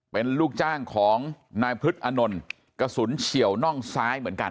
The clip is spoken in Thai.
หากลุกจ้างของนายพฤทธิ์อนนท์กระสุนเฉียวร่างซ้ายเหมือนกัน